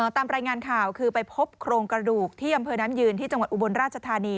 ตามรายงานข่าวคือไปพบโครงกระดูกที่อำเภอน้ำยืนที่จังหวัดอุบลราชธานี